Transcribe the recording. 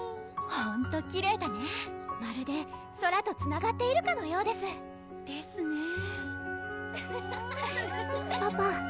ほんときれいだねぇまるで空とつながっているかのようですですねぇ